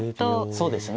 そうですね。